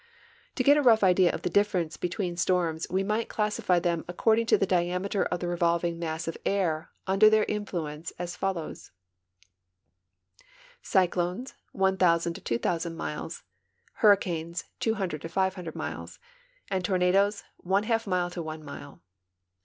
To get a rough idea of the difference between storms, we might classify them according to the diameter of the revolving mass of air under their influence as follows : Cyclones, 1,000 to 2,000 miles ; hurricanes, 200 to 500 miles, and tornadoes one half mile to one mile.